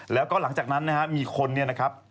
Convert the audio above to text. แล้วก็หลังจากนั้นนะครับมีคนเนี่ยนะครับ